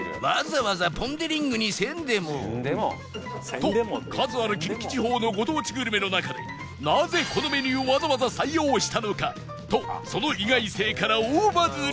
と数ある近畿地方のご当地グルメの中でなぜこのメニューをわざわざ採用したのかとその意外性から大バズり！